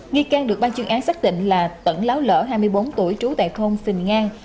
nghi can được ban chuyên án xác định là tẩn láo lở hai mươi bốn tuổi trú tại thôn phình ngang